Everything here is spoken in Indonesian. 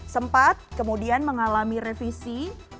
sempat kemudian mengalami revisi